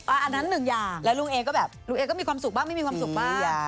อันนั้นหนึ่งอย่างแล้วลุงเอก็แบบลุงเอก็มีความสุขบ้างไม่มีความสุขบ้าง